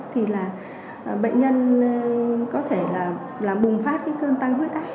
thì là bệnh nhân có thể là bùng phát cái cơn tăng huyết áp